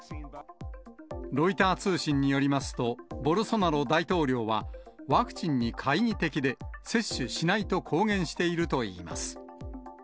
ロイター通信によりますと、ボルソナロ大統領はワクチンに懐疑的で、接種しないと公言しているといいます。